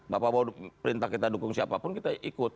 bapak mau perintah kita dukung siapapun kita ikut